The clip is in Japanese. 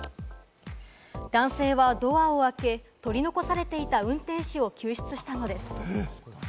男性はドアを開け、取り残されていた運転手を救出したのです。